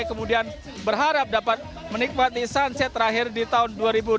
kemudian berharap dapat menikmati sunset terakhir di tahun dua ribu dua puluh